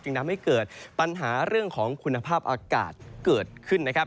ทำให้เกิดปัญหาเรื่องของคุณภาพอากาศเกิดขึ้นนะครับ